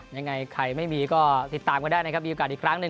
ยังไงใครไม่มีก็ติดตามกันได้นะครับมีโอกาสอีกครั้งหนึ่ง